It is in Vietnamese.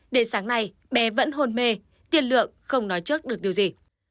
đến sáng nay bé vẫn hồn mê tiền lượng không nói trước được điều gì